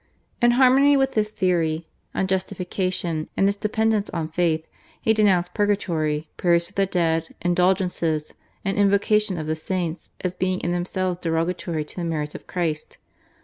In harmony with his theory on justification, and its dependence on faith, he denounced Purgatory, Prayers for the Dead, Indulgences, and Invocation of the Saints as being in themselves derogatory to the merits of Christ.